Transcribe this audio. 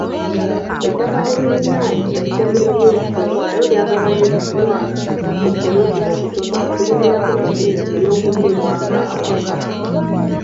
Ettaka eririraanye ekkuumiro ly'ebisolo nalyo lyagabanyizibwamu bu poloti obutono okulimirako emmere ey'okulibwanga awaka